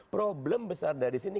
problem besar dari sini